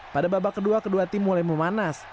pada babak kedua kedua tim mulai memanas